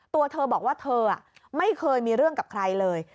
ตัวเธอบอกว่าเธอไม่เคยมีเรื่องกับใครเลย